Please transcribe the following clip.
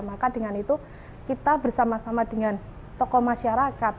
maka dengan itu kita bersama sama dengan tokoh masyarakat